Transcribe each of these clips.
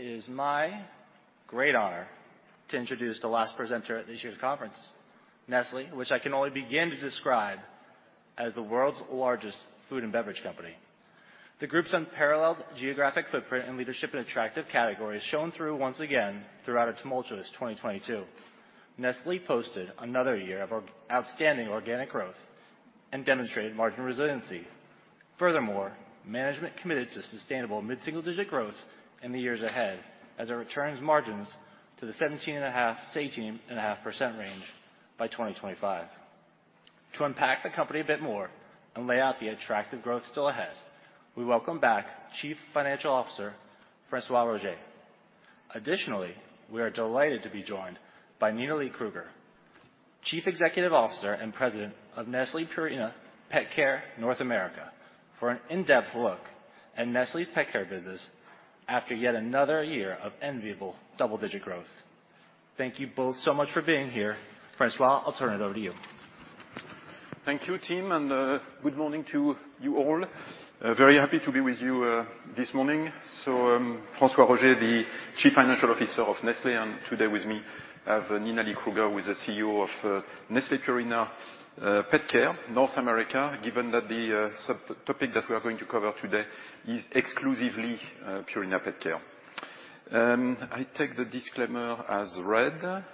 It is my great honor to introduce the last presenter at this year's conference, Nestlé, which I can only begin to describe as the world's largest food and beverage company. The group's unparalleled geographic footprint and leadership in attractive categories shone through once again throughout a tumultuous 2022. Nestlé posted another year of outstanding organic growth and demonstrated margin resiliency. Furthermore, management committed to sustainable mid-single-digit growth in the years ahead as it returns margins to the 17.5%-18.5% range by 2025. To unpack the company a bit more and lay out the attractive growth still ahead, we welcome back Chief Financial Officer François Roger. We are delighted to be joined by Nina Leigh Krueger, Chief Executive Officer and President of Nestlé Purina PetCare North America, for an in-depth look at Nestlé's PetCare business after yet another year of enviable double-digit growth. Thank you both so much for being here. François, I'll turn it over to you. Thank you, Tim, and good morning to you all. Very happy to be with you this morning. François Roger, the Chief Financial Officer of Nestlé, today with me I have Nina Leigh Krueger, who is the CEO of Nestlé Purina PetCare North America, given that the subtopic that we are going to cover today is exclusively Purina PetCare. I take the disclaimer as read.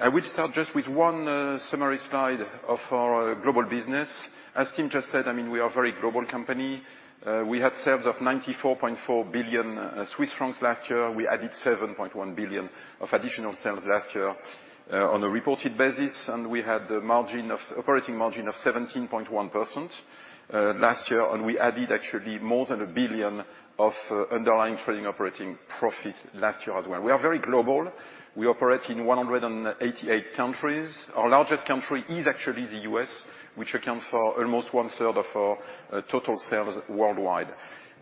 I will start just with one summary slide of our global business. As Tim just said, I mean, we are a very global company. We had sales of 94.4 billion Swiss francs last year. We added 7.1 billion of additional sales last year on a reported basis, and we had an operating margin of 17.1% last year. We added actually more than 1 billion of underlying trading operating profit last year as well. We are very global. We operate in 188 countries. Our largest country is actually the U.S., which accounts for almost one-third of our total sales worldwide.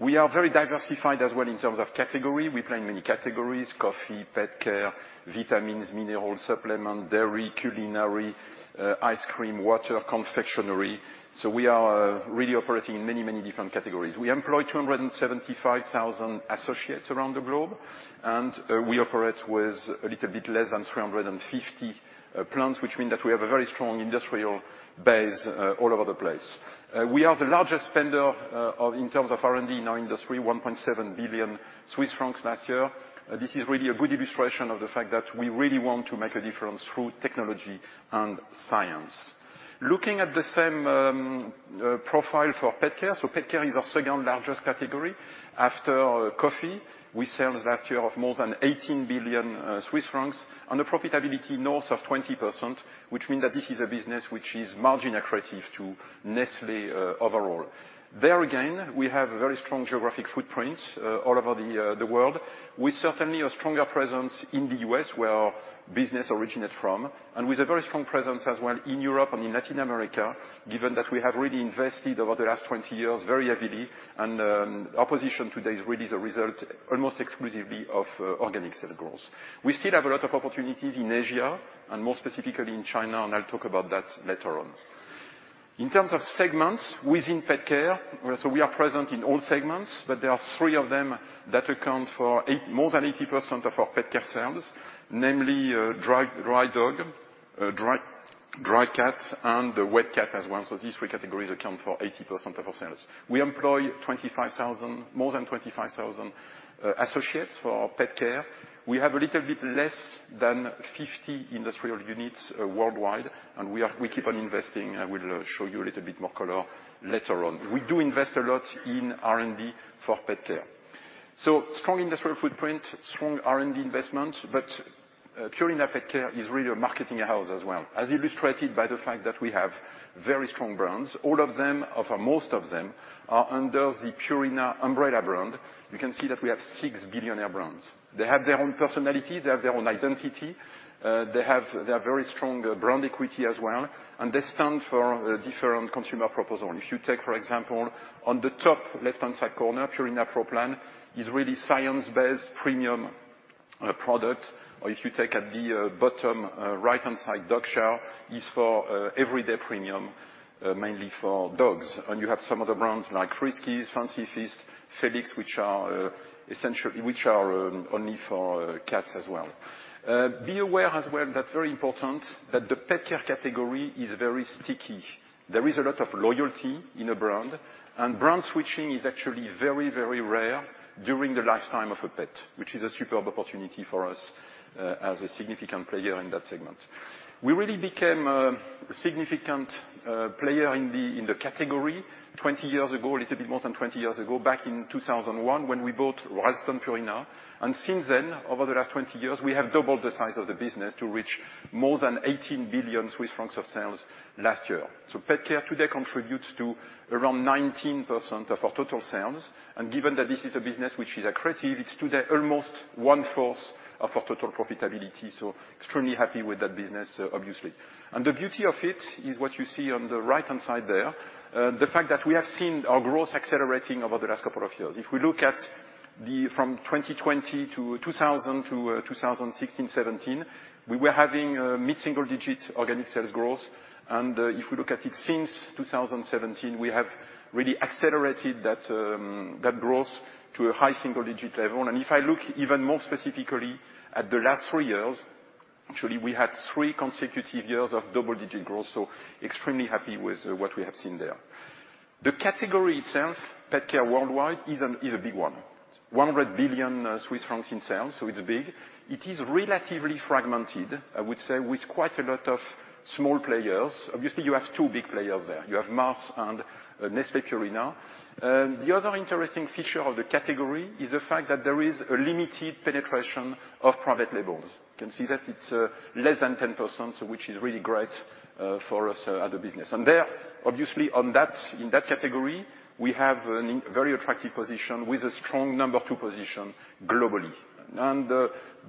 We are very diversified as well in terms of category. We play in many categories: coffee, petcare, vitamins, mineral, supplement, dairy, culinary, ice cream, water, confectionery. We are really operating in many, many different categories. We employ 275,000 associates around the globe, and we operate with a little bit less than 350 plants, which mean that we have a very strong industrial base all over the place. We are the largest spender in terms of R&D in our industry, 1.7 billion Swiss francs last year. This is really a good illustration of the fact that we really want to make a difference through technology and science. Looking at the same profile for PetCare. PetCare is our second-largest category after coffee. We sell last year of more than 18 billion Swiss francs, and a profitability north of 20%, which mean that this is a business which is margin accretive to Nestlé overall. There again, we have a very strong geographic footprint all over the world. We certainly have stronger presence in the U.S., where our business originates from, and with a very strong presence as well in Europe and in Latin America, given that we have really invested over the last 20 years very heavily, and our position today is really the result almost exclusively of organic sales growth. We still have a lot of opportunities in Asia, and more specifically in China, and I'll talk about that later on. In terms of segments within Petcare, we are present in all segments, but there are three of them that account for more than 80% of our Petcare sales, namely, dry dog, dry cats, and wet cat as well. These three categories account for 80% of our sales. We employ more than 25,000 associates for Petcare. We have a little bit less than 50 industrial units worldwide, and we keep on investing. I will show you a little bit more color later on. We do invest a lot in R&D for Petcare. Strong industrial footprint, strong R&D investment, Purina PetCare is really a marketing house as well, as illustrated by the fact that we have very strong brands, all of them or for most of them are under the Purina umbrella brand. You can see that we have six billionaire brands. They have their own personality. They have their own identity. They have their very strong brand equity as well, and they stand for a different consumer proposal. If you take, for example, on the top left-hand side corner, Purina Pro Plan is really science-based premium product. If you take at the bottom right-hand side, Dog Chow is for everyday premium mainly for dogs. You have some other brands like Friskies, Fancy Feast, Felix, which are only for cats as well. Be aware as well, that's very important, that the Petcare category is very sticky. There is a lot of loyalty in a brand, and brand switching is actually very, very rare during the lifetime of a pet, which is a superb opportunity for us, as a significant player in that segment. We really became a significant player in the category 20 years ago, a little bit more than 20 years ago, back in 2001 when we bought Ralston Purina. Since then, over the last 20 years, we have doubled the size of the business to reach more than 18 billion Swiss francs of sales last year. Petcare today contributes to around 19% of our total sales. Given that this is a business which is accretive, it's today almost 1/4 of our total profitability. Extremely happy with that business, obviously. The beauty of it is what you see on the right-hand side there. The fact that we have seen our growth accelerating over the last couple of years. If we look at 2016, 2017, we were having mid-single-digit organic sales growth. If you look at it since 2017, we have really accelerated that growth to a high single-digit level. If I look even more specifically at the last three years. Actually, we had three consecutive years of double-digit growth, extremely happy with what we have seen there. The category itself, pet care worldwide is a big one. 100 billion Swiss francs in sales, it's big. It is relatively fragmented, I would say, with quite a lot of small players. Obviously, you have two big players there. You have Mars and Nestlé Purina. The other interesting feature of the category is the fact that there is a limited penetration of private labels. You can see that it's less than 10%, which is really great for us as a business. There, obviously on that, in that category, we have an very attractive position with a strong number two position globally.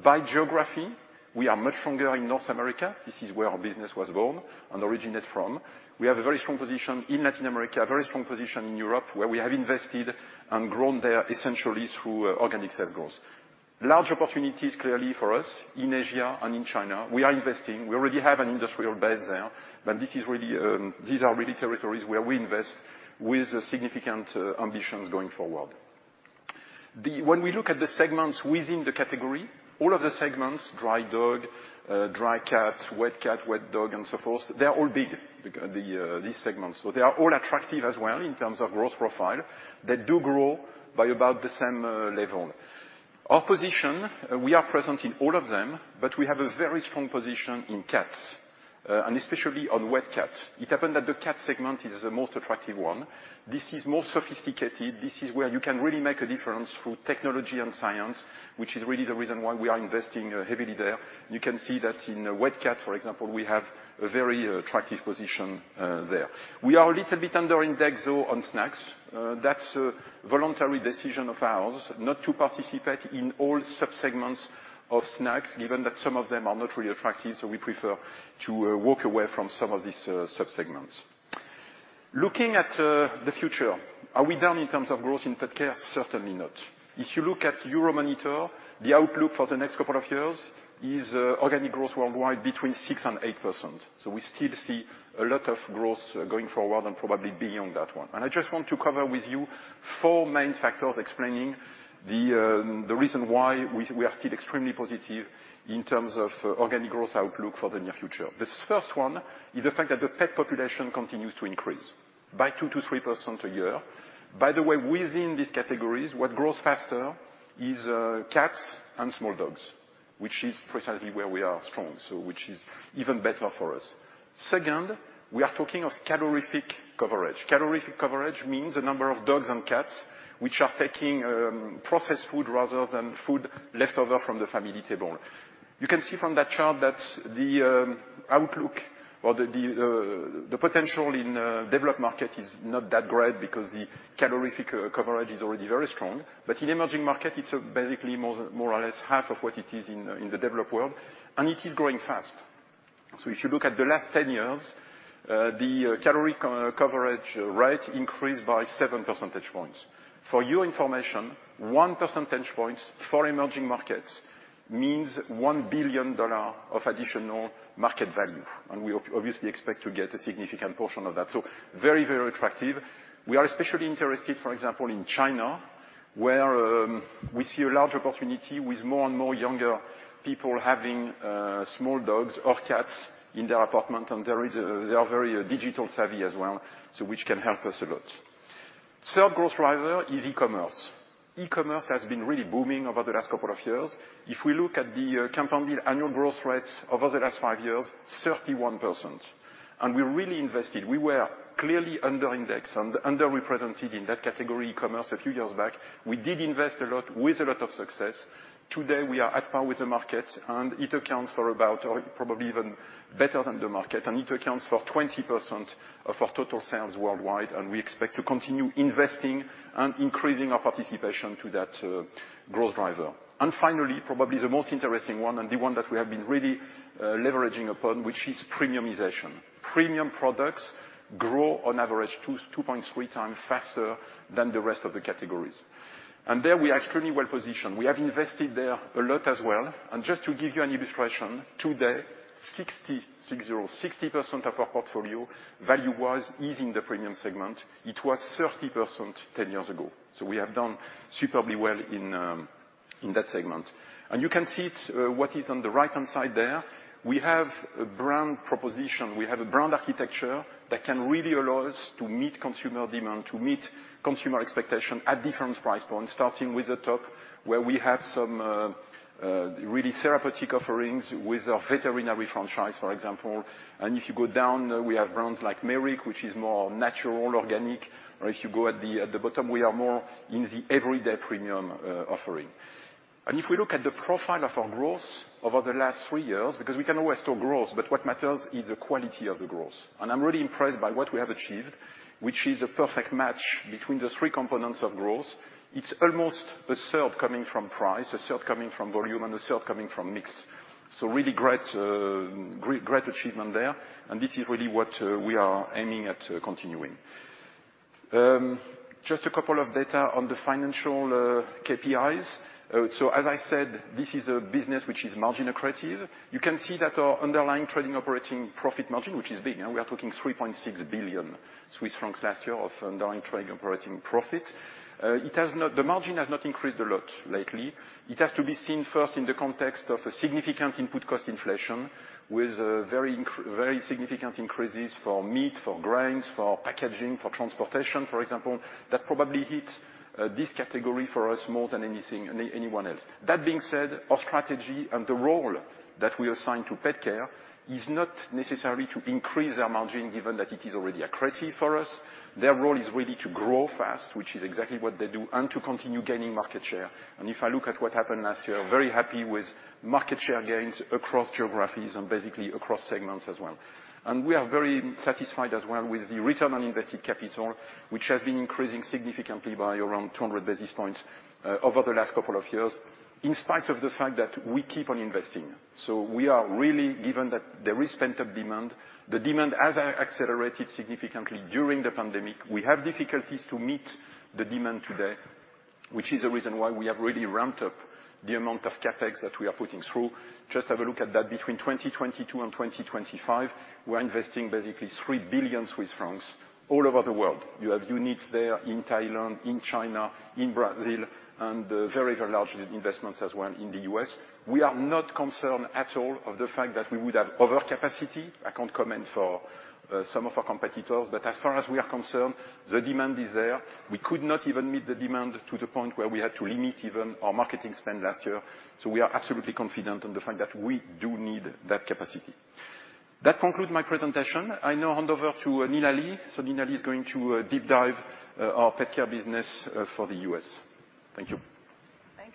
By geography, we are much stronger in North America. This is where our business was born and originated from. We have a very strong position in Latin America, a very strong position in Europe, where we have invested and grown there essentially through organic sales growth. Large opportunities clearly for us in Asia and in China. We are investing. We already have an industrial base there. This is really, these are really territories where we invest with significant ambitions going forward. When we look at the segments within the category, all of the segments, dry dog, dry cat, wet cat, wet dog, and so forth, they are all big, these segments. They are all attractive as well in terms of growth profile. They do grow by about the same level. Our position, we are present in all of them, but we have a very strong position in cats, and especially on wet cat. It happened that the cat segment is the most attractive one. This is more sophisticated. This is where you can really make a difference through technology and science, which is really the reason why we are investing heavily there. You can see that in wet cat, for example, we have a very attractive position, there. We are a little bit under index, though, on snacks. That's a voluntary decision of ours not to participate in all subsegments of snacks, given that some of them are not really attractive, so we prefer to walk away from some of these subsegments. Looking at the future, are we done in terms of growth in pet care? Certainly not. If you look at Euromonitor, the outlook for the next couple of years is organic growth worldwide between 6% and 8%. We still see a lot of growth going forward and probably beyond that one. I just want to cover with you four main factors explaining the reason why we are still extremely positive in terms of organic growth outlook for the near future. This first one is the fact that the pet population continues to increase by 2%-3% a year. By the way, within these categories, what grows faster is cats and small dogs, which is precisely where we are strong, so which is even better for us. Second, we are talking of calorific coverage. Calorific coverage means the number of dogs and cats which are taking processed food rather than food left over from the family table. You can see from that chart that the outlook or the potential in developed market is not that great because the calorific coverage is already very strong. In emerging market, it's basically more or less half of what it is in the developed world, and it is growing fast. If you look at the last 10 years, the calorific coverage rate increased by seven percentage points. For your information, one percentage point for emerging markets means $1 billion of additional market value, and we obviously expect to get a significant portion of that. Very attractive. We are especially interested, for example, in China, where we see a large opportunity with more and more younger people having small dogs or cats in their apartment. They are very digital savvy as well, so which can help us a lot. Third growth driver is e-commerce. E-commerce has been really booming over the last couple of years. If we look at the compounded annual growth rates over the last five years, 31%. We really invested. We were clearly under index and underrepresented in that category, e-commerce, a few years back. We did invest a lot with a lot of success. Today, we are at par with the market, and it accounts for about or probably even better than the market, and it accounts for 20% of our total sales worldwide, and we expect to continue investing and increasing our participation to that growth driver. Finally, probably the most interesting one and the one that we have been really leveraging upon, which is premiumization. Premium products grow on average 2-2.3 times faster than the rest of the categories. There we are extremely well positioned. We have invested there a lot as well. Just to give you an illustration, today 60% of our portfolio value-wise is in the premium segment. It was 30% 10 years ago. We have done superbly well in that segment. You can see it, what is on the right-hand side there. We have a brand proposition. We have a brand architecture that can really allow us to meet consumer demand, to meet consumer expectation at different price points, starting with the top, where we have some really therapeutic offerings with our veterinary franchise, for example. If you go down, we have brands like Merrick, which is more natural, organic, or if you go at the bottom, we are more in the everyday premium offering. If we look at the profile of our growth over the last three years, because we can always talk growth, but what matters is the quality of the growth. I'm really impressed by what we have achieved, which is a perfect match between the three components of growth. It's almost a third coming from price, a third coming from volume, and a third coming from mix. So really great achievement there. This is really what we are aiming at continuing. Just a couple of data on the financial KPIs. As I said, this is a business which is margin accretive. You can see that our underlying trading operating profit margin, which is big, you know, we are talking 3.6 billion Swiss francs last year of underlying trading operating profit. The margin has not increased a lot lately. It has to be seen first in the context of a significant input cost inflation with very significant increases for meat, for grains, for packaging, for transportation, for example, that probably hit this category for us more than anything, anyone else. That being said, our strategy and the role that we assign to PetCare is not necessary to increase our margin given that it is already accretive for us. Their role is really to grow fast, which is exactly what they do, and to continue gaining market share. If I look at what happened last year, very happy with market share gains across geographies and basically across segments as well. We are very satisfied as well with the return on invested capital, which has been increasing significantly by around 200 basis points over the last couple of years, in spite of the fact that we keep on investing. We are really given that there is pent-up demand. The demand has accelerated significantly during the pandemic. We have difficulties to meet the demand today, which is a reason why we have really ramped up the amount of CapEx that we are putting through. Just have a look at that. Between 2022 and 2025, we're investing basically 3 billion Swiss francs all over the world. You have units there in Thailand, in China, in Brazil, and very, very large investments as well in the US. We are not concerned at all of the fact that we would have overcapacity. I can't comment for some of our competitors, but as far as we are concerned, the demand is there. We could not even meet the demand to the point where we had to limit even our marketing spend last year. We are absolutely confident on the fact that we do need that capacity. That concludes my presentation. I now hand over to Nina Leigh. Nina Leigh is going to deep dive our Petcare business for the U.S. Thank you.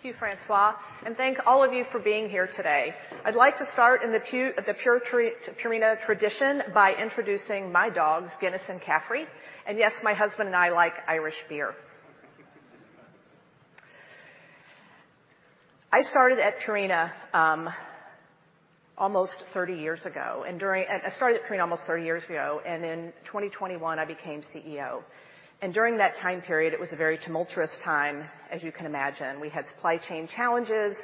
Thank you, François. Thank all of you for being here today. I'd like to start in the Purina tradition by introducing my dogs, Guinness and Caffrey. Yes, my husband and I like Irish beer. I started at Purina almost 30 years ago, in 2021 I became CEO. During that time period, it was a very tumultuous time, as you can imagine. We had supply chain challenges.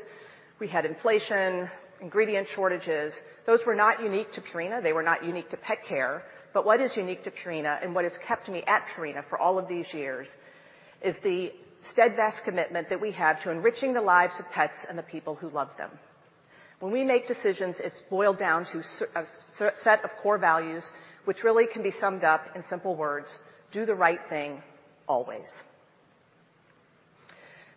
We had inflation, ingredient shortages. Those were not unique to Purina. They were not unique to PetCare. What is unique to Purina, and what has kept me at Purina for all of these years, is the steadfast commitment that we have to enriching the lives of pets and the people who love them. When we make decisions, it's boiled down to a set of core values, which really can be summed up in simple words: Do the right thing always.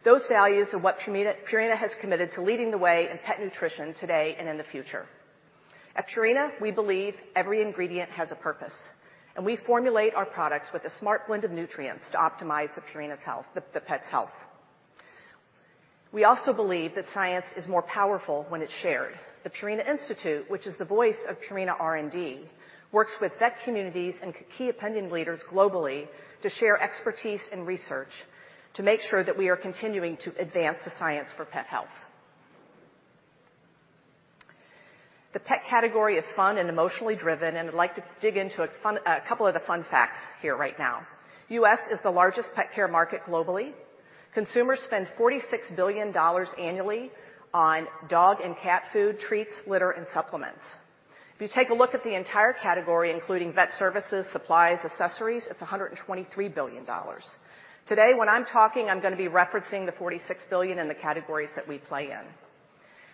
Those values are what Purina has committed to leading the way in pet nutrition today and in the future. At Purina, we believe every ingredient has a purpose, and we formulate our products with a smart blend of nutrients to optimize the Purina's health, the pet's health. We also believe that science is more powerful when it's shared. The Purina Institute, which is the voice of Purina R&D, works with vet communities and key opinion leaders globally to share expertise and research to make sure that we are continuing to advance the science for pet health. The pet category is fun and emotionally driven, and I'd like to dig into a fun couple of the fun facts here right now. U.S. is the largest pet care market globally. Consumers spend $46 billion annually on dog and cat food, treats, litter, and supplements. You take a look at the entire category, including vet services, supplies, accessories, it's $123 billion. Today, when I'm talking, I'm gonna be referencing the $46 billion in the categories that we play in.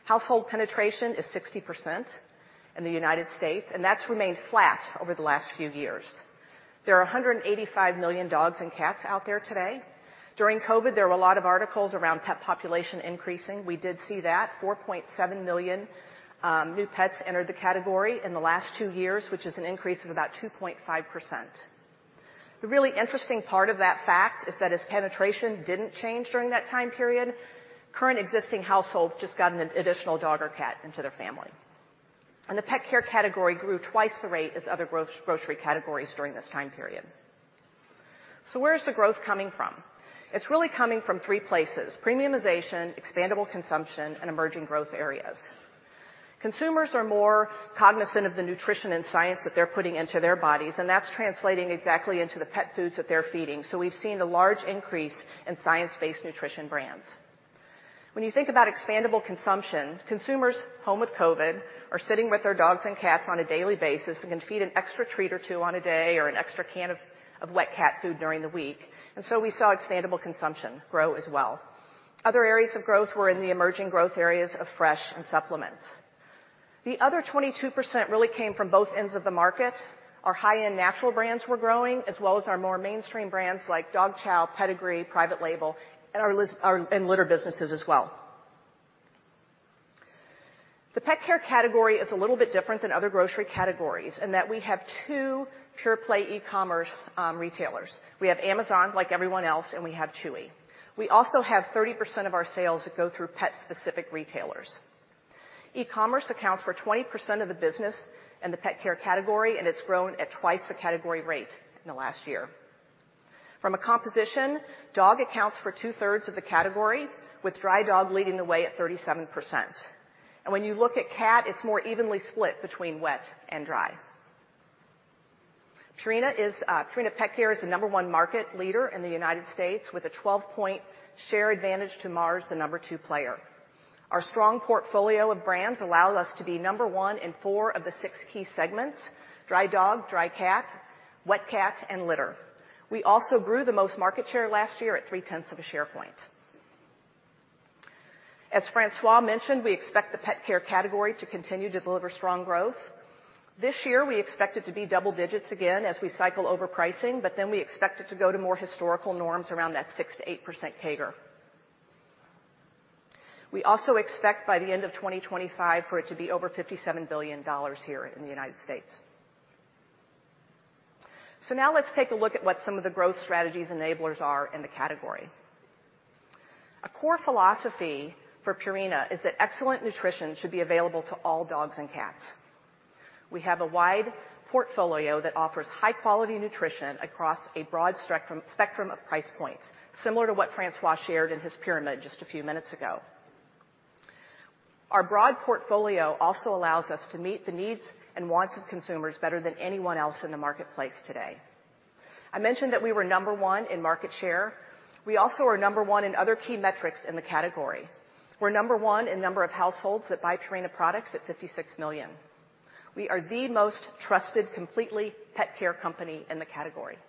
Household penetration is 60% in the United States, and that's remained flat over the last few years. There are 185 million dogs and cats out there today. During COVID, there were a lot of articles around pet population increasing. We did see that. 4.7 million new pets entered the category in the last two years, which is an increase of about 2.5%. The really interesting part of that fact is that as penetration didn't change during that time period, current existing households just got an additional dog or cat into their family. The pet care category grew 2x the rate as other grocery categories during this time period. Where is the growth coming from? It's really coming from three places: premiumization, expandable consumption, and emerging growth areas. Consumers are more cognizant of the nutrition and science that they're putting into their bodies, and that's translating exactly into the pet foods that they're feeding. We've seen a large increase in science-based nutrition brands. When you think about expandable consumption, consumers home with COVID are sitting with their dogs and cats on a daily basis and can feed an extra treat or two on a day or an extra can of wet cat food during the week. We saw expandable consumption grow as well. Other areas of growth were in the emerging growth areas of fresh and supplements. The other 22% really came from both ends of the market. Our high-end natural brands were growing, as well as our more mainstream brands like Dog Chow, Pedigree, private labels, and our litter businesses as well. The pet care category is a little bit different than other grocery categories in that we have two pure play e-commerce retailers. We have Amazon, like everyone else, and we have Chewy. We also have 30% of our sales that go through pet-specific retailers. E-commerce accounts for 20% of the business in the pet care category, and it's grown at twice the category rate in the last year. From a composition, dog accounts for 2/3 of the category, with dry dog leading the way at 37%. When you look at cat, it's more evenly split between wet and dry. Purina PetCare is the number one market leader in the United States with a 12-point share advantage to Mars, the number two player. Our strong portfolio of brands allow us to be number one in four of the six key segments: dry dog, dry cat, wet cat, and litter. We also grew the most market share last year at 0.3 of a share point. As François mentioned, we expect the pet care category to continue to deliver strong growth. This year, we expect it to be double digits again as we cycle over pricing, we expect it to go to more historical norms around that 6%-8% CAGR. We also expect by the end of 2025 for it to be over $57 billion here in the United States. Now let's take a look at what some of the growth strategies enablers are in the category. A core philosophy for Purina is that excellent nutrition should be available to all dogs and cats. We have a wide portfolio that offers high-quality nutrition across a broad spectrum of price points, similar to what François Roger shared in his pyramid just a few minutes ago. Our broad portfolio also allows us to meet the needs and wants of consumers better than anyone else in the marketplace today. I mentioned that we were number one in market share. We also are number one in other key metrics in the category. We're number one in number of households that buy Purina products at $56 million. We are the most trusted completely pet care company in the category.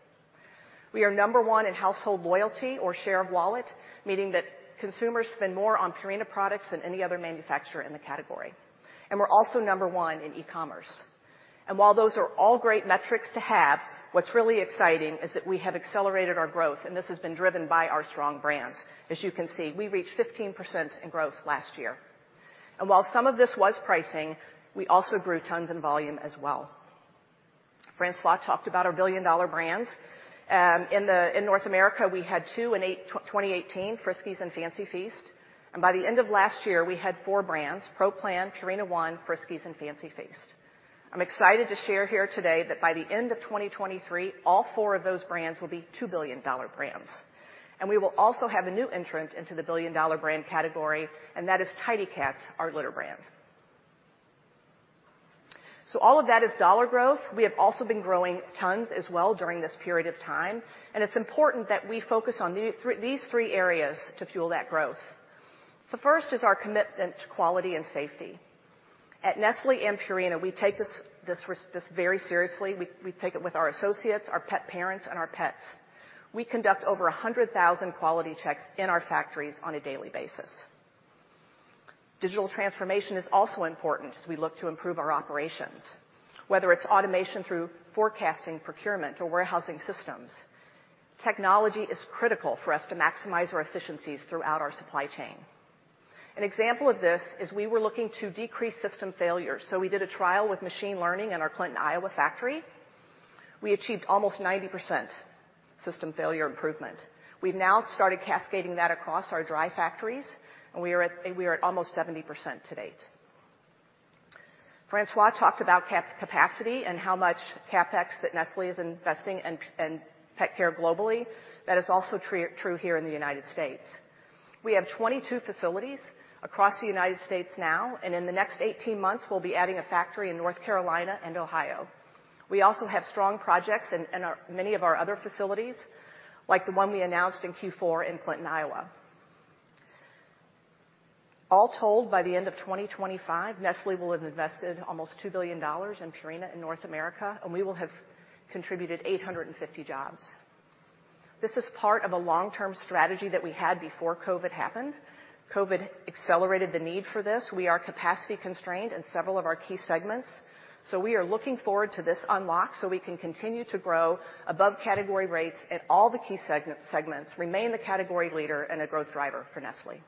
We are number one in household loyalty or share of wallet, meaning that consumers spend more on Purina products than any other manufacturer in the category. We're also number one in e-commerce. While those are all great metrics to have, what's really exciting is that we have accelerated our growth, and this has been driven by our strong brands. As you can see, we reached 15% in growth last year. While some of this was pricing, we also grew tons in volume as well. François talked about our billion-dollar brands. In North America, we had two in 2018, Friskies and Fancy Feast. By the end of last year, we had four brands, Pro Plan, Purina ONE, Friskies, and Fancy Feast. I'm excited to share here today that by the end of 2023, all four of those brands will be $2 billion brands. We will also have a new entrant into the $1 billion brand category, and that is Tidy Cats, our litter brand. All of that is dollar growth. We have also been growing tons as well during this period of time, and it's important that we focus on these three areas to fuel that growth. The first is our commitment to quality and safety. At Nestlé and Purina, we take this very seriously. We take it with our associates, our pet parents, and our pets. We conduct over 100,000 quality checks in our factories on a daily basis. Digital transformation is also important as we look to improve our operations, whether it's automation through forecasting procurement or warehousing systems. Technology is critical for us to maximize our efficiencies throughout our supply chain. An example of this is we were looking to decrease system failure, we did a trial with machine learning in our Clinton, Iowa factory. We achieved almost 90% system failure improvement. We've now started cascading that across our dry factories, we are at almost 70% to date. François talked about capacity and how much CapEx that Nestlé is investing in pet care globally. That is also true here in the United States. We have 22 facilities across the United States now, in the next 18 months, we'll be adding a factory in North Carolina and Ohio. We also have strong projects in many of our other facilities, like the one we announced in Q4 in Clinton, Iowa. All told, by the end of 2025, Nestlé will have invested almost $2 billion in Purina in North America. We will have contributed 850 jobs. This is part of a long-term strategy that we had before COVID happened. COVID accelerated the need for this. We are capacity constrained in several of our key segments. We are looking forward to this unlock. We can continue to grow above category rates at all the key segments, remain the category leader and a growth driver for Nestlé.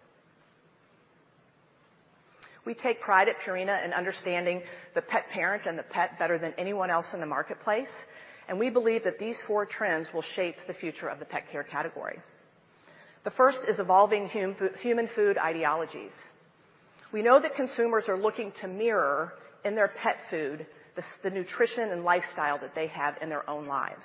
We take pride at Purina in understanding the pet parent and the pet better than anyone else in the marketplace. We believe that these four trends will shape the future of the pet care category. The first is evolving human food ideologies. We know that consumers are looking to mirror in their pet food the nutrition and lifestyle that they have in their own lives.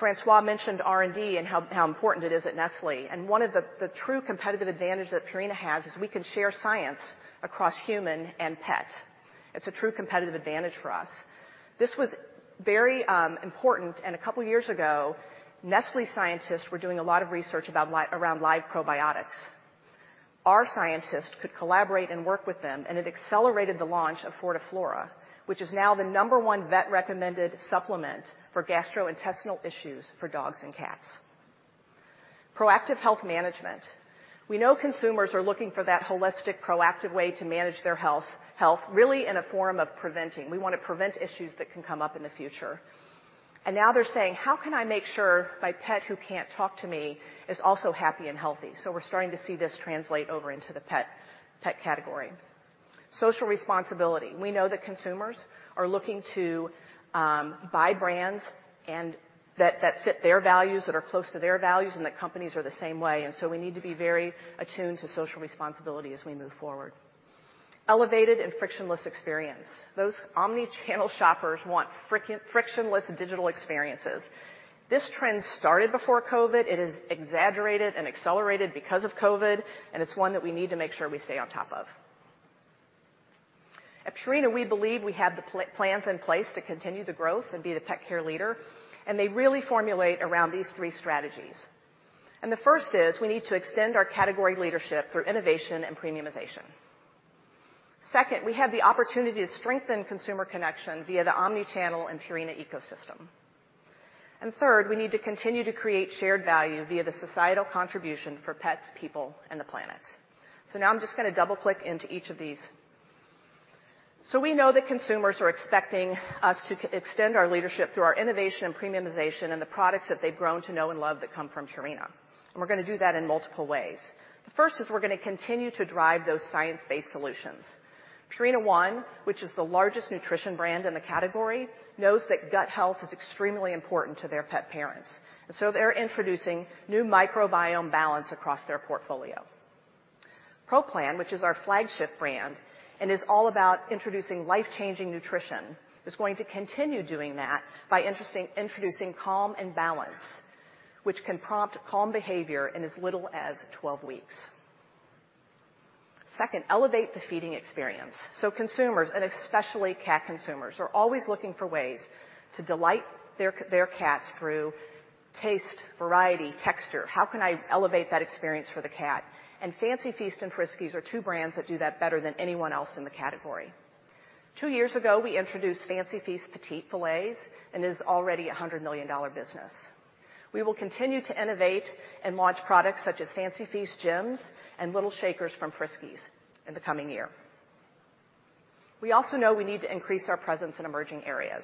François mentioned R&D and how important it is at Nestlé, and one of the true competitive advantage that Purina has is we can share science across human and pet. It's a true competitive advantage for us. This was very important, and a couple years ago, Nestlé scientists were doing a lot of research around live probiotics. Our scientists could collaborate and work with them, and it accelerated the launch of FortiFlora, which is now the number one vet-recommended supplement for gastrointestinal issues for dogs and cats. Proactive health management. We know consumers are looking for that holistic, proactive way to manage their health, really in a form of preventing. We want to prevent issues that can come up in the future. Now they're saying, "How can I make sure my pet who can't talk to me is also happy and healthy?" We're starting to see this translate over into the pet category. Social responsibility. We know that consumers are looking to buy brands that fit their values, that are close to their values, that companies are the same way, we need to be very attuned to social responsibility as we move forward. Elevated and frictionless experience. Those omni-channel shoppers want frictionless digital experiences. This trend started before COVID. It is exaggerated and accelerated because of COVID, it's one that we need to make sure we stay on top of. At Purina, we believe we have the plans in place to continue the growth and be the pet care leader, and they really formulate around these three strategies. The first is, we need to extend our category leadership through innovation and premiumization. Second, we have the opportunity to strengthen consumer connection via the omni-channel and Purina ecosystem. Third, we need to continue to create shared value via the societal contribution for pets, people, and the planet. Now I'm just gonna double-click into each of these. We know that consumers are expecting us to extend our leadership through our innovation and premiumization and the products that they've grown to know and love that come from Purina, and we're gonna do that in multiple ways. The first is we're gonna continue to drive those science-based solutions. Purina ONE, which is the largest nutrition brand in the category, knows that gut health is extremely important to their pet parents, they're introducing new Microbiome Balance across their portfolio. Purina Pro Plan, which is our flagship brand and is all about introducing life-changing nutrition, is going to continue doing that by introducing Calm & Balanced, which can prompt calm behavior in as little as 12 weeks. Second, elevate the feeding experience. Consumers, and especially cat consumers, are always looking for ways to delight their cats through taste, variety, texture. How can I elevate that experience for the cat? Fancy Feast and Friskies are two brands that do that better than anyone else in the category. Two years ago, we introduced Fancy Feast Petite Fillets and it is already a $100 million business. We will continue to innovate and launch products such as Fancy Feast Gems and Lil' Shakers from Friskies in the coming year. We also know we need to increase our presence in emerging areas.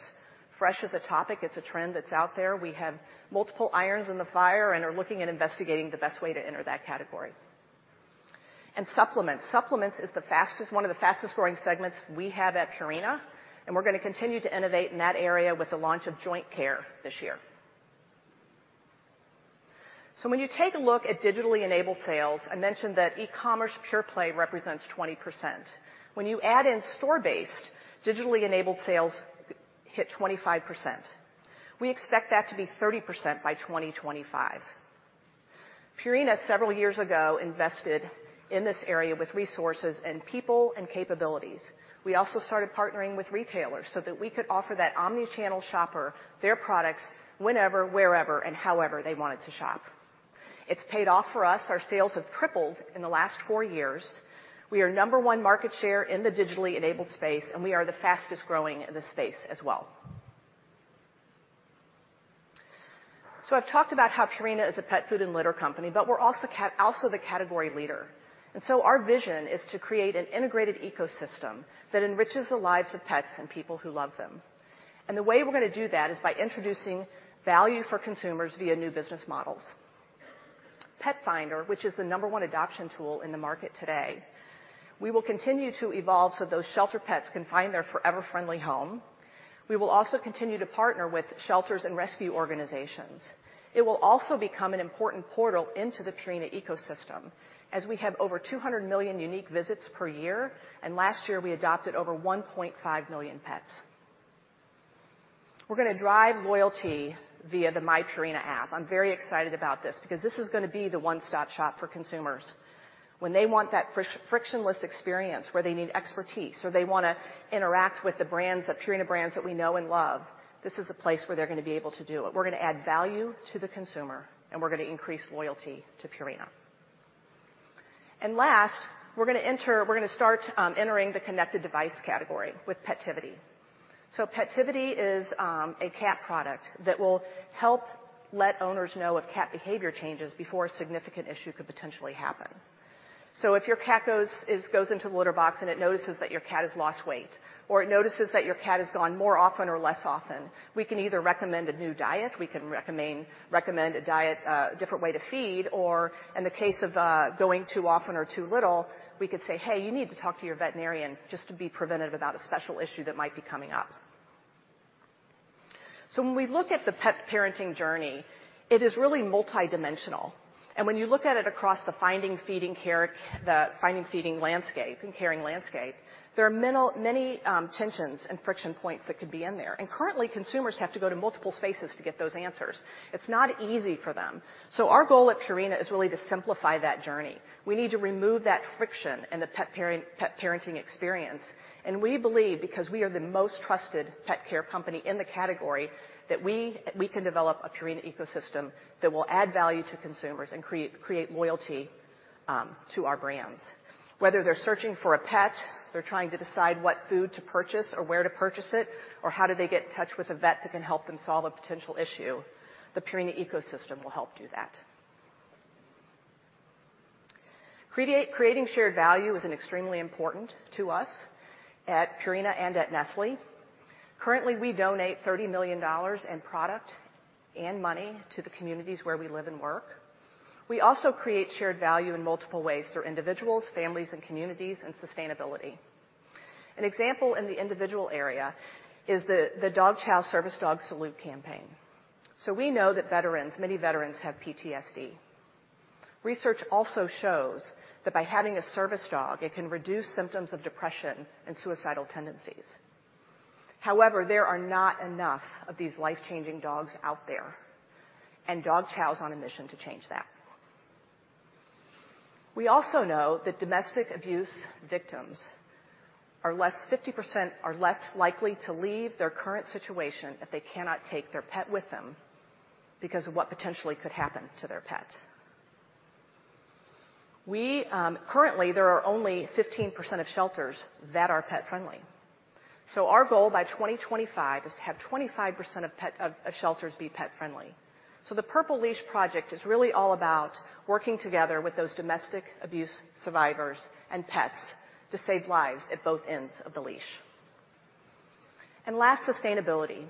Fresh is a topic. It's a trend that's out there. We have multiple irons in the fire and are looking and investigating the best way to enter that category. Supplements. Supplements is one of the fastest-growing segments we have at Purina, and we're gonna continue to innovate in that area with the launch of Joint Care this year. When you take a look at digitally enabled sales, I mentioned that e-commerce pure play represents 20%. When you add in store-based, digitally enabled sales hit 25%. We expect that to be 30% by 2025. Purina, several years ago, invested in this area with resources and people and capabilities. We also started partnering with retailers so that we could offer that omni-channel shopper their products whenever, wherever, and however they wanted to shop. It's paid off for us. Our sales have tripled in the last four years. We are number one market share in the digitally enabled space, we are the fastest-growing in the space as well. I've talked about how Purina is a pet food and litter company, but we're also the category leader. Our vision is to create an integrated ecosystem that enriches the lives of pets and people who love them. The way we're gonna do that is by introducing value for consumers via new business models. Petfinder, which is the number one adoption tool in the market today, we will continue to evolve so those shelter pets can find their forever friendly home. We will also continue to partner with shelters and rescue organizations. It will also become an important portal into the Purina ecosystem as we have over 200 million unique visits per year, and last year we adopted over 1.5 million pets. We're gonna drive loyalty via the myPurina app. I'm very excited about this because this is gonna be the one-stop-shop for consumers. When they want that frictionless experience, where they need expertise or they wanna interact with the brands, the Purina brands that we know and love, this is the place where they're gonna be able to do it. We're gonna add value to the consumer, and we're gonna increase loyalty to Purina. Last, we're gonna start entering the connected device category with Petivity. Petivity is a cat product that will help let owners know if cat behavior changes before a significant issue could potentially happen. If your cat goes into the litter box and it notices that your cat has lost weight, or it notices that your cat has gone more often or less often, we can either recommend a new diet, we can recommend a diet, a different way to feed, or in the case of going too often or too little, we could say, "Hey, you need to talk to your veterinarian," just to be preventative about a special issue that might be coming up. When we look at the pet parenting journey, it is really multidimensional. When you look at it across the finding, feeding, care, the finding, feeding landscape and caring landscape, there are many tensions and friction points that could be in there. Currently, consumers have to go to multiple spaces to get those answers. It's not easy for them. Our goal at Purina is really to simplify that journey. We need to remove that friction in the pet parenting experience. We believe because we are the most trusted pet care company in the category, that we can develop a Purina ecosystem that will add value to consumers and create loyalty to our brands. Whether they're searching for a pet, they're trying to decide what food to purchase or where to purchase it, or how do they get in touch with a vet that can help them solve a potential issue, the Purina ecosystem will help do that. Creating shared value is extremely important to us at Purina and at Nestlé. Currently, we donate $30 million in product and money to the communities where we live and work. We also create shared value in multiple ways through individuals, families, and communities, and sustainability. An example in the individual area is the Dog Chow Service Dog Salute campaign. We know that veterans, many veterans have PTSD. Research also shows that by having a service dog, it can reduce symptoms of depression and suicidal tendencies. However, there are not enough of these life-changing dogs out there. Dog Chow is on a mission to change that. We also know that domestic abuse victims are 50% less likely to leave their current situation if they cannot take their pet with them because of what potentially could happen to their pet. We currently there are only 15% of shelters that are pet friendly. Our goal by 2025 is to have 25% of shelters be pet friendly. The Purple Leash Project is really all about working together with those domestic abuse survivors and pets to save lives at both ends of the leash. Last, sustainability.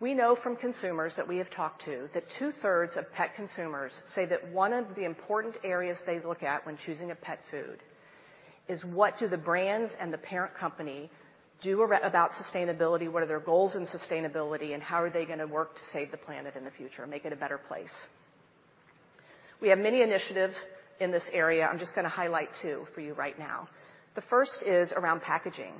We know from consumers that we have talked to that 2/3 of pet consumers say that one of the important areas they look at when choosing a pet food is what do the brands and the parent company do about sustainability? What are their goals in sustainability, and how are they going to work to save the planet in the future and make it a better place? We have many initiatives in this area. I'm just gonna highlight two for you right now. The first is around packaging.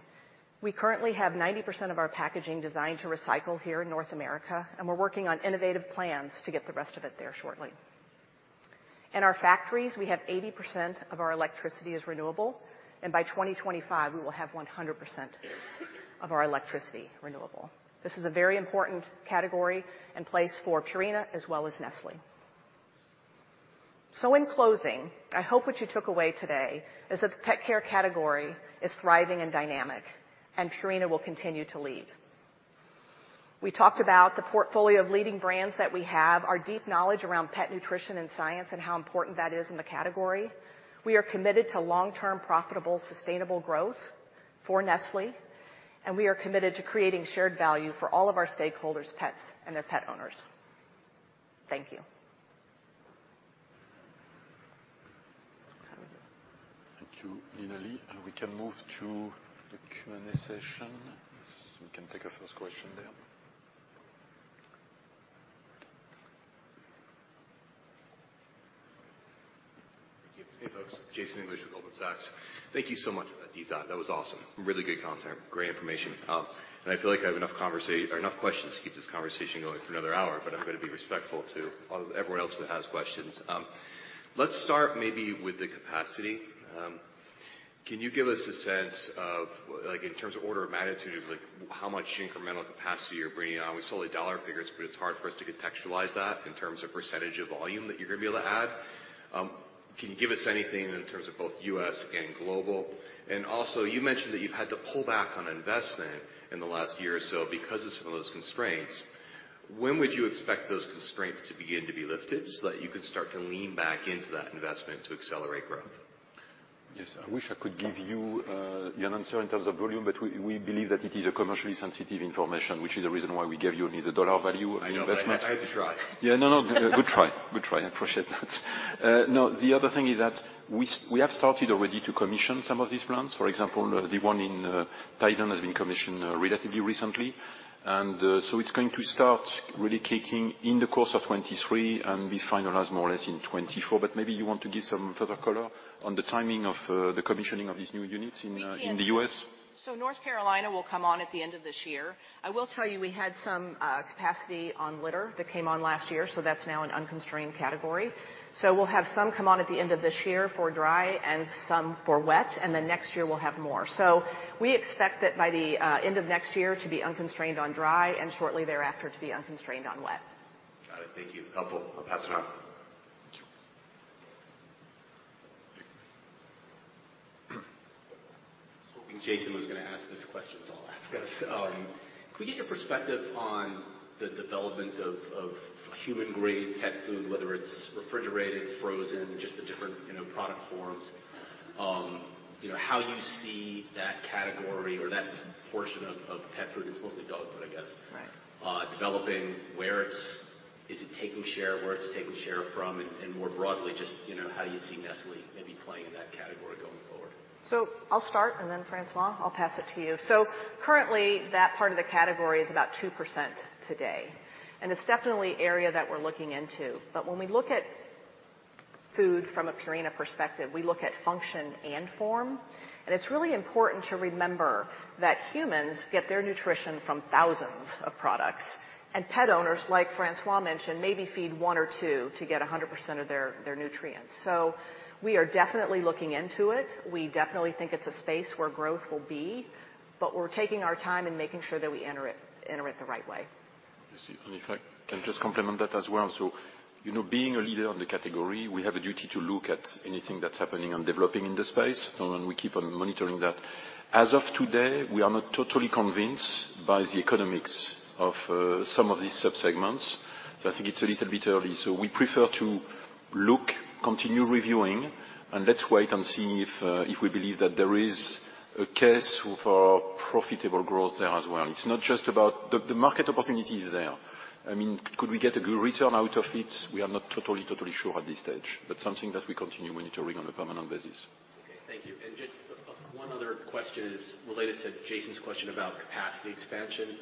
We currently have 90% of our packaging designed to recycle here in North America, and we're working on innovative plans to get the rest of it there shortly. In our factories, we have 80% of our electricity is renewable, and by 2025, we will have 100% of our electricity renewable. This is a very important category and place for Purina as well as Nestlé. In closing, I hope what you took away today is that the pet care category is thriving and dynamic, and Purina will continue to lead. We talked about the portfolio of leading brands that we have, our deep knowledge around pet nutrition and science and how important that is in the category. We are committed to long-term, profitable, sustainable growth for Nestlé, and we are committed to creating shared value for all of our stakeholders, pets and their pet owners. Thank you. Thank you, Nina Leigh. We can move to the Q&A session. We can take our first question there. Thank you. Hey, folks, Jason English with Goldman Sachs. Thank you so much for that deep dive. That was awesome. Really good content, great information. I feel like I have enough questions to keep this conversation going for another hour, but I'm gonna be respectful to everyone else that has questions. Let's start maybe with the capacity. Can you give us a sense of, like in terms of order of magnitude of like how much incremental capacity you're bringing on? We saw the dollar figures, but it's hard for us to contextualize that in terms of percentage of volume that you're gonna be able to add. Can you give us anything in terms of both U.S. and global? You mentioned that you've had to pull back on investment in the last year or so because of some of those constraints. When would you expect those constraints to begin to be lifted so that you can start to lean back into that investment to accelerate growth? I wish I could give you an answer in terms of volume, but we believe that it is a commercially sensitive information, which is the reason why we gave you only the dollar value of the investment. I know, but I had to try. Yeah. No, no. Good try. Good try. I appreciate that. The other thing is that we have started already to commission some of these brands. For example, the one in Thailand has been commissioned relatively recently, and so it's going to start really kicking in the course of 2023 and be finalized more or less in 2024. Maybe you want to give some further color on the timing of the commissioning of these new units in the U.S. We can. North Carolina will come on at the end of this year. I will tell you, we had some capacity on litter that came on last year, That's now an unconstrained category. We'll have some come on at the end of this year for dry and some for wet, and then next year we'll have more. We expect that by the end of next year to be unconstrained on dry and shortly thereafter to be unconstrained on wet. Got it. Thank you. Helpful. I'll pass it on. Thank you. I was hoping Jason was gonna ask this question, so I'll ask. Can we get your perspective on the development of human grade pet food, whether it's refrigerated, frozen, just the different, you know, product forms? You know, how you see that category or that portion of pet food, it's mostly dog food, I guess. Right Developing, is it taking share? Where it's taking share from, and more broadly, just, you know, how do you see Nestlé maybe playing in that category going forward? I'll start, and then, François, I'll pass it to you. Currently, that part of the category is about 2% today, and it's definitely area that we're looking into. When we look at food from a Purina perspective, we look at function and form, and it's really important to remember that humans get their nutrition from thousands of products. Pet owners, like François mentioned, maybe feed one or two to get 100% of their nutrients. We are definitely looking into it. We definitely think it's a space where growth will be, but we're taking our time and making sure that we enter it the right way. Yes. If I can just complement that as well. You know, being a leader in the category, we have a duty to look at anything that's happening and developing in the space, and we keep on monitoring that. As of today, we are not totally convinced by the economics of some of these sub-segments. I think it's a little bit early. We prefer to look, continue reviewing, and let's wait and see if we believe that there is a case for profitable growth there as well. It's not just about. The market opportunity is there. I mean, could we get a good return out of it? We are not totally sure at this stage, but something that we continue monitoring on a permanent basis. Thank you. Just one other question is related to Jason's question about capacity expansion.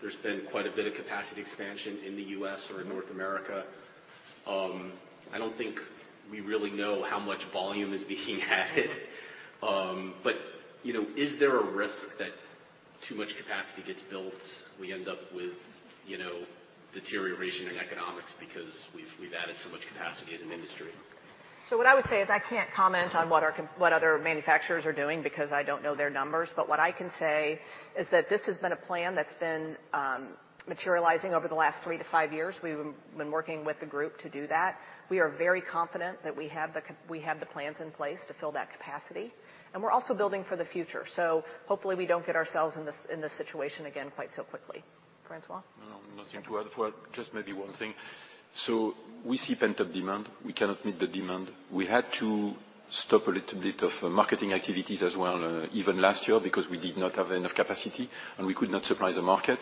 There's been quite a bit of capacity expansion in the U.S. or in North America. I don't think we really know how much volume is being added. But, you know, is there a risk that too much capacity gets built, we end up with, you know, deterioration in economics because we've added so much capacity as an industry? What I would say is I can't comment on what other manufacturers are doing because I don't know their numbers. What I can say is that this has been a plan that's been materializing over the last three to five years. We've been working with the group to do that. We are very confident that we have the plans in place to fill that capacity, and we're also building for the future. Hopefully we don't get ourselves in this, in this situation again quite so quickly. François? No, nothing to add. Well, just maybe one thing. We see pent-up demand. We cannot meet the demand. We had to stop a little bit of marketing activities as well, even last year, because we did not have enough capacity, and we could not surprise the market.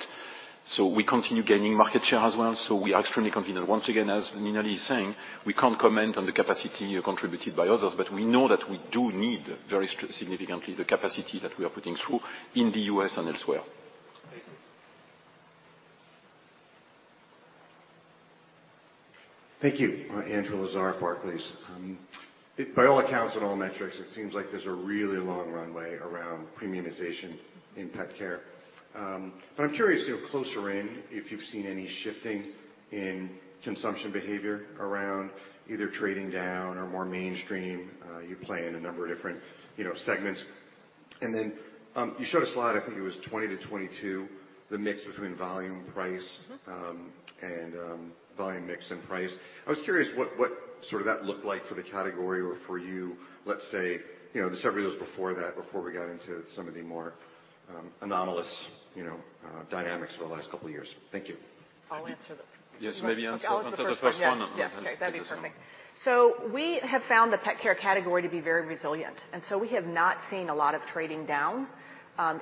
We continue gaining market share as well, so we are extremely confident. Once again, as Nina Lee is saying, we can't comment on the capacity contributed by others, but we know that we do need very significantly the capacity that we are putting through in the U.S. and elsewhere. Thank you. Thank you. Andrew Lazar, Barclays. By all accounts and all metrics, it seems like there's a really long runway around premiumization in pet care. I'm curious, you know, closer in, if you've seen any shifting in consumption behavior around either trading down or more mainstream. You play in a number of different, you know, segments. Then, you showed a slide, I think it was 20-22, the mix between volume, price, and volume mix and price. I was curious what sort of that looked like for the category or for you, let's say, you know, the several years before that, before we got into some of the more, anomalous, you know, dynamics over the last couple of years. Thank you. I'll answer. Yes, maybe answer the first one and then. Yeah. Okay. That'd be perfect. We have found the pet care category to be very resilient, and so we have not seen a lot of trading down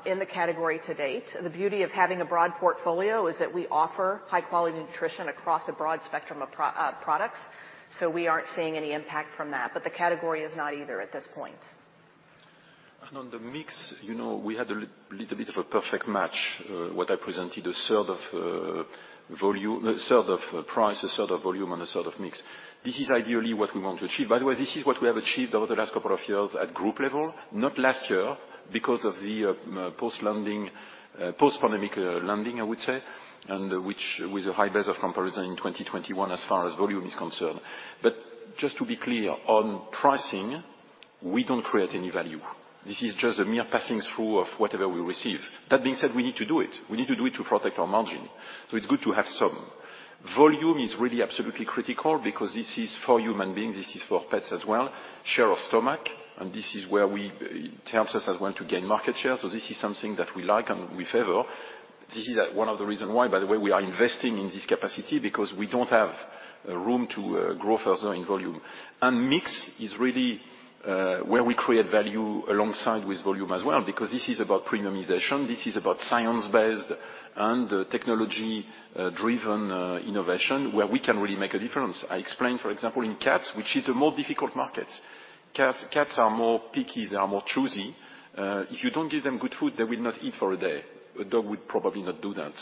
in the category to date. The beauty of having a broad portfolio is that we offer high-quality nutrition across a broad spectrum of products, so we aren't seeing any impact from that. The category is not either at this point. On the mix, you know, we had a little bit of a perfect match. What I presented, a sort of volume, a sort of price, a sort of volume, and a sort of mix. This is ideally what we want to achieve. By the way, this is what we have achieved over the last couple of years at group level, not last year because of the post-landing, post-pandemic landing, I would say, and which with a high base of comparison in 2021 as far as volume is concerned. But just to be clear, on pricing, we don't create any value. This is just a mere passing through of whatever we receive. That being said, we need to do it. We need to do it to protect our margin, so it's good to have some. Volume is really absolutely critical because this is for human beings, this is for pets as well, share of stomach, and this is where it helps us as well to gain market share. This is something that we like and we favor. This is one of the reason why, by the way, we are investing in this capacity because we don't have room to grow further in volume. Mix is really where we create value alongside with volume as well, because this is about premiumization, this is about science-based and technology-driven innovation where we can really make a difference. I explained, for example, in cats, which is a more difficult market. Cats are more picky, they are more choosy. If you don't give them good food, they will not eat for a day. A dog would probably not do that.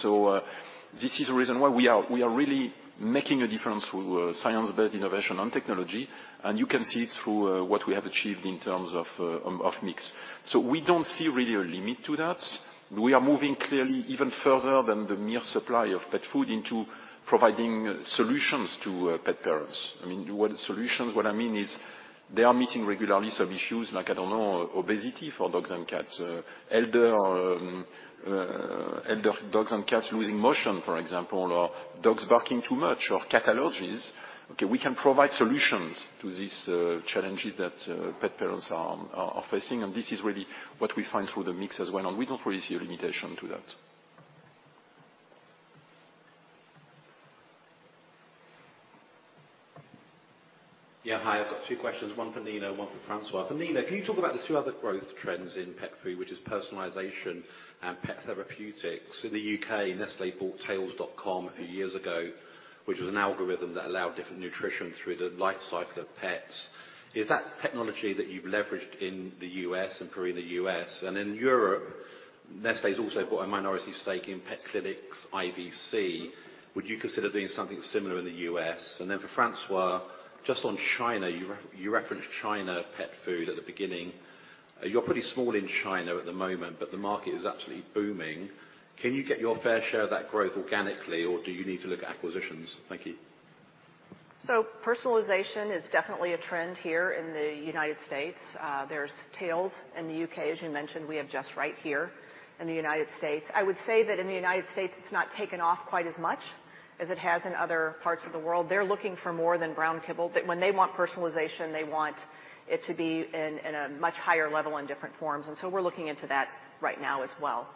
This is the reason why we are really making a difference with science-based innovation and technology, and you can see it through what we have achieved in terms of mix. We don't see really a limit to that. We are moving clearly even further than the mere supply of pet food into providing solutions to pet parents. I mean, what solutions, what I mean is they are meeting regularly some issues like, I don't know, obesity for dogs and cats, elder dogs and cats losing motion, for example, or dogs barking too much or cat allergies. Okay, we can provide solutions to these challenges that pet parents are facing, and this is really what we find through the mix as well. We don't really see a limitation to that. Yeah. Hi, I've got two questions, one for Nina, one for François. For Nina, can you talk about the two other growth trends in pet food, which is personalization and pet therapeutics? In the U.K., Nestlé bought Tails.com a few years ago, which was an algorithm that allowed different nutrition through the life cycle of pets. Is that technology that you've leveraged in the U.S. and carrying the U.S.? In Europe, Nestlé's also bought a minority stake in pet clinics, IVC. Would you consider doing something similar in the U.S.? For François, just on China, you referenced China pet food at the beginning. You're pretty small in China at the moment, but the market is absolutely booming. Can you get your fair share of that growth organically, or do you need to look at acquisitions? Thank you. Personalization is definitely a trend here in the United States. There's Tails in the U.K., as you mentioned. We have Just Right here in the United States. I would say that in the United States, it's not taken off quite as much as it has in other parts of the world. They're looking for more than brown kibble. When they want personalization, they want it to be in a much higher level in different forms. We're looking into that right now as well.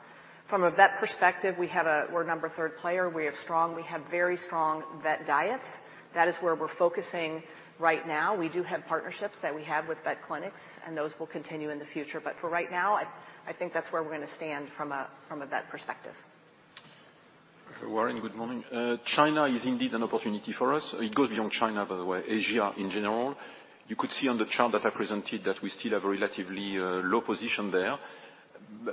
From a vet perspective, we're number three player. We have very strong vet diets. That is where we're focusing right now. We do have partnerships that we have with vet clinics, and those will continue in the future. For right now, I think that's where we're gonna stand from a vet perspective. Warren, good morning. China is indeed an opportunity for us. It goes beyond China, by the way, Asia in general. You could see on the chart that I presented that we still have a relatively low position there.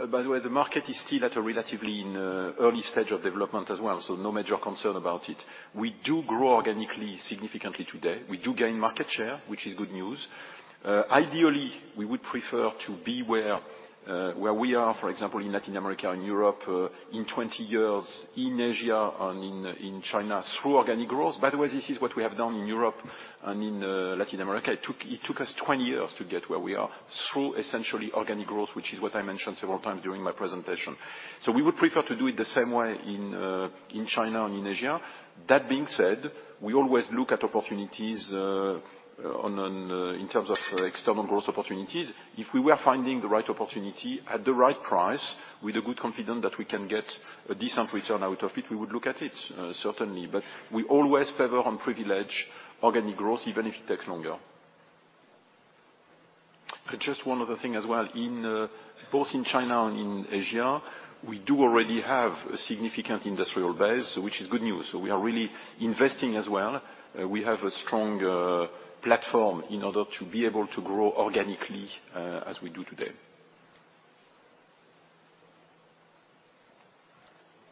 By the way, the market is still at a relatively early stage of development as well, so no major concern about it. We do grow organically, significantly today. We do gain market share, which is good news. Ideally, we would prefer to be where we are, for example, in Latin America and Europe, in 20 years in Asia and in China through organic growth. By the way, this is what we have done in Europe and in Latin America. It took us 20 years to get where we are through essentially organic growth, which is what I mentioned several times during my presentation. We would prefer to do it the same way in China and in Asia. That being said, we always look at opportunities in terms of external growth opportunities. If we were finding the right opportunity at the right price, with a good confidence that we can get a decent return out of it, we would look at it certainly. We always favor and privilege organic growth, even if it takes longer. Just one other thing as well. In both in China and in Asia, we do already have a significant industrial base, which is good news. We are really investing as well. We have a strong platform in order to be able to grow organically, as we do today.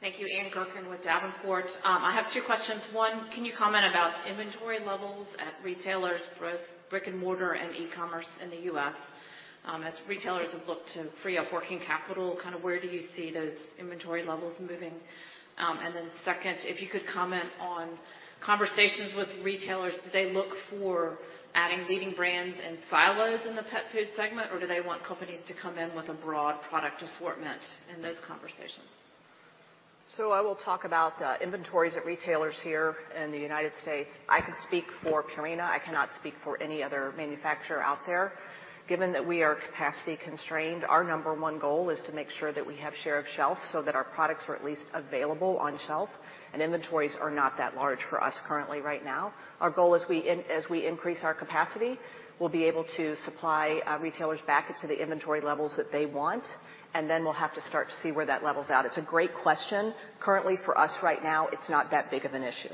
Thank you. Ann Gurkin with Davenport. I have two questions. One, can you comment about inventory levels at retailers, both brick and mortar and e-commerce in the U.S., as retailers have looked to free up working capital? Kind of where do you see those inventory levels moving? Second, if you could comment on conversations with retailers. Do they look for adding leading brands and silos in the pet food segment, or do they want companies to come in with a broad product assortment in those conversations? I will talk about inventories at retailers here in the United States. I can speak for Purina. I cannot speak for any other manufacturer out there. Given that we are capacity constrained, our number one goal is to make sure that we have share of shelf, so that our products are at least available on shelf and inventories are not that large for us currently right now. Our goal as we increase our capacity, we'll be able to supply retailers back into the inventory levels that they want, and then we'll have to start to see where that levels out. It's a great question. Currently for us right now, it's not that big of an issue.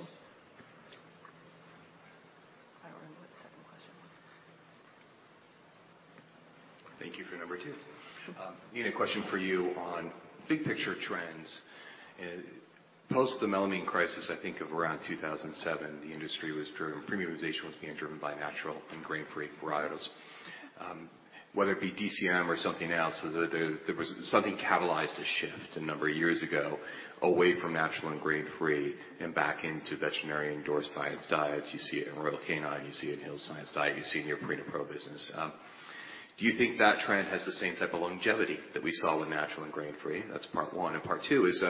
I don't remember what the second question was. Thank you for number two. Sure. Nina, question for you on big picture trends. Post the melamine crisis, I think of around 2007, the industry was driven premiumization was being driven by natural and grain-free varieties. Whether it be DCM or something else, there was something catalyzed a shift a number of years ago away from natural and grain-free and back into veterinarian-endorsed science diets. You see it in Royal Canin, you see it in Hill's Science Diet, you see it in your Purina Pro business. Do you think that trend has the same type of longevity that we saw in natural and grain-free? That's part one. Part two is,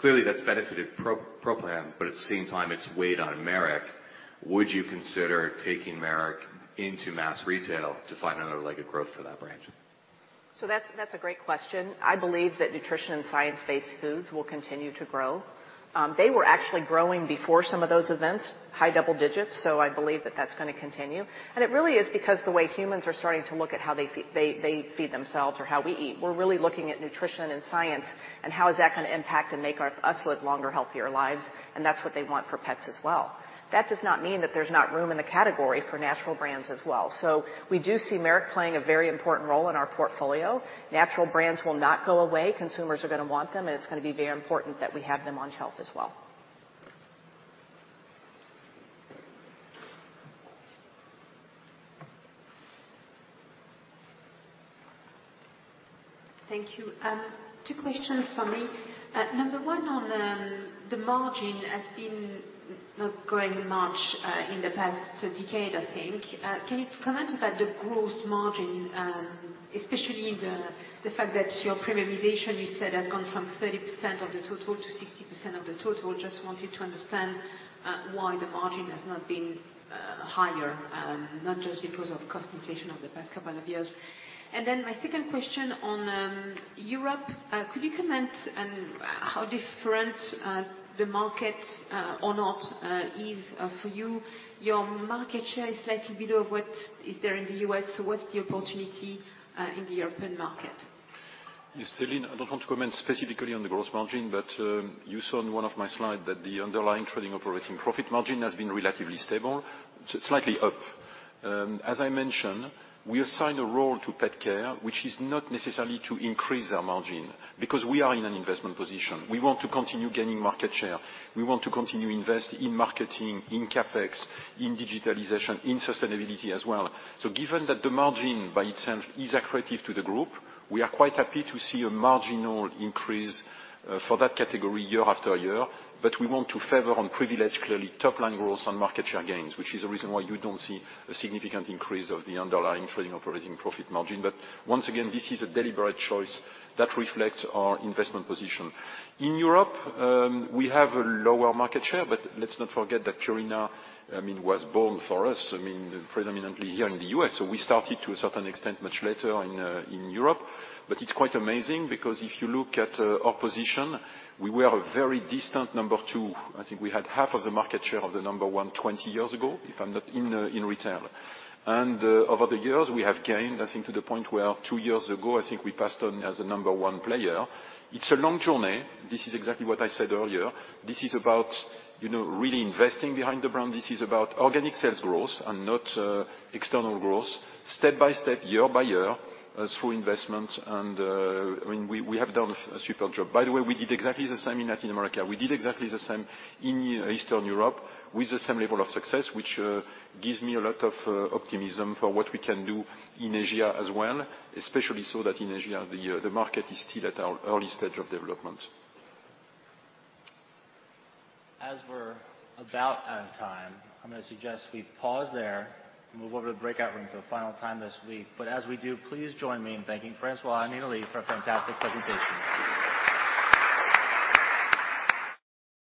clearly that's benefited Pro Plan, but at the same time, it's weighed on Merrick. Would you consider taking Merrick into mass retail to find another leg of growth for that brand? That's a great question. I believe that nutrition and science-based foods will continue to grow. They were actually growing before some of those events, high double digits, so I believe that that's going to continue. It really is because the way humans are starting to look at how they feed themselves or how we eat. We're really looking at nutrition and science and how is that going to impact and make us live longer, healthier lives, and that's what they want for pets as well. That does not mean that there's not room in the category for natural brands as well. We do see Merrick playing a very important role in our portfolio. Natural brands will not go away. Consumers are going to want them, and it's going to be very important that we have them on shelf as well. Thank you. Two questions for me. Number one on the margin has been not growing much in the past decade, I think. Can you comment about the growth margin, especially the fact that your premiumization, you said, has gone from 30% of the total to 60% of the total? Just wanted to understand why the margin has not been higher, not just because of cost inflation over the past couple of years. My second question on Europe. Could you comment on how different the market or not is for you? Your market share is slightly below of what is there in the U.S., so what's the opportunity in the European market? Yes, Celine, I don't want to comment specifically on the growth margin. You saw in one of my slides that the underlying trading operating profit margin has been relatively stable, slightly up. As I mentioned, we assign a role to pet care, which is not necessarily to increase our margin because we are in an investment position. We want to continue gaining market share. We want to continue to invest in marketing, in CapEx, in digitalization, in sustainability as well. Given that the margin by itself is accretive to the group, we are quite happy to see a marginal increase for that category year after year. We want to favor and privilege, clearly, top-line growth and market share gains, which is the reason why you don't see a significant increase of the underlying trading operating profit margin. Once again, this is a deliberate choice that reflects our investment position. In Europe, we have a lower market share. Let's not forget that Purina, I mean, was born for us, I mean, predominantly here in the US. We started to a certain extent much later in Europe. It's quite amazing because if you look at our position, we were a very distant number two. I think we had half of the market share of the number one 20 years ago in retail. Over the years, we have gained, I think, to the point where two years ago, I think we passed on as the number one player. It's a long journey. This is exactly what I said earlier. This is about, you know, really investing behind the brand. This is about organic sales growth and not external growth, step by step, year by year, through investment. I mean, we have done a super job. By the way, we did exactly the same in Latin America. We did exactly the same in Eastern Europe with the same level of success, which gives me a lot of optimism for what we can do in Asia as well, especially so that in Asia, the market is still at our early stage of development. As we're about out of time, I'm gonna suggest we pause there and move over to breakout rooms for the final time this week. As we do, please join me in thanking François and Nina Leigh for a fantastic presentation.